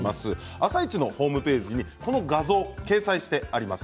「あさイチ」のホームページにこの画像を掲載しています。